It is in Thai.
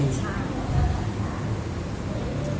เกี่ยวกับผู้กรณี